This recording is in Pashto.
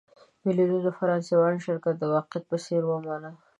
میلیونونو فرانسویانو شرکت د واقعیت په څېر ومانه.